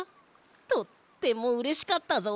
とってもうれしかったぞ。